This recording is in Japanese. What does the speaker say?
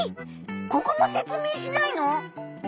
ここも説明しないの？